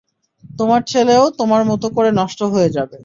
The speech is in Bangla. তোমার ছেলেও তোমার মতো করে নষ্ট হয়ে যাবে।